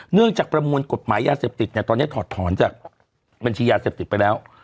จากประมวลกฎหมายยาเสพติดเนี่ยตอนนี้ถอดถอนจากบัญชียาเสพติดไปแล้ว